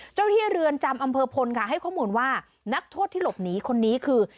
เจ้าที่เรือนจำอำเภอพลค่ะให้ข้อมูลว่านักโทษที่หลบหนีคนนี้คือ